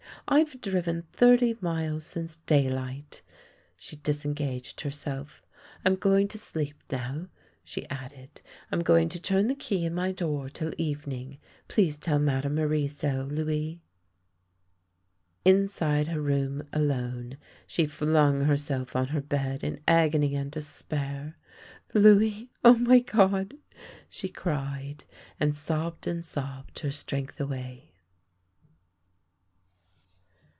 " I've driven thirty miles since daylight." She disengaged herself. " I am going to sleep now," she added. " I am going to turn the key in my door till evening. Please tell Madame Marie so, Louis!" Inside her room alone, she flung herself on her bed in agony and despair. " Louis — O, my God! " she cried, and sobbed and sobbed her strength away.